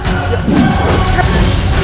aku tak bisa